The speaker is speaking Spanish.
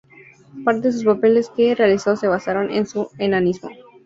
Parte sus papeles que realizó se basaron en su enanismo.